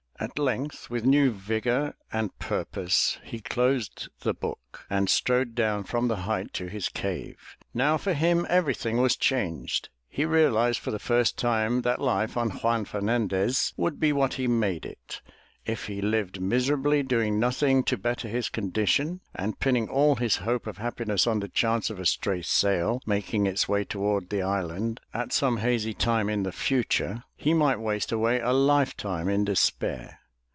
At length with new vigor and purpose he closed the book and strode down from the height to his cave. Now for him everything was changed. He realized for the first time that life on Juan Fernandez would be what he made it. If he lived miserably, doing nothing to better his condition, and pinning all his hope of happiness on the chance of a stray sail making its way toward the island at some hazy time in the future, 337 MY BOOK HOUSE he might waste away a lifetime in despair.